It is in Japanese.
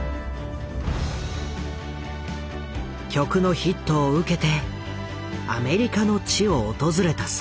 曲のヒットを受けてアメリカの地を訪れた坂本。